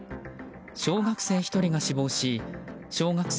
小学生１人が死亡し小学生